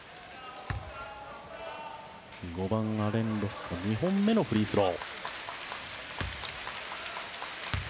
５番、アレン・ロスコ２本目のフリースロー。